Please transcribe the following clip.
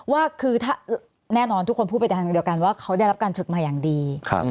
ว่าคือถ้าแน่นอนทุกคนพูดไปทางเดียวกันว่าเขาได้รับการฝึกมาอย่างดี